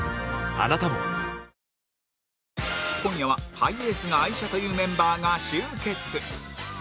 あなたも今夜はハイエースが愛車というメンバーが集結